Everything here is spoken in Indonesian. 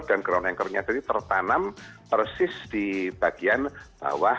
dan ground anchernya tadi tertanam persis di bagian bawah